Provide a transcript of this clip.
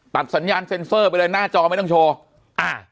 สัญญาณเซ็นเซอร์ไปเลยหน้าจอไม่ต้องโชว์อ่า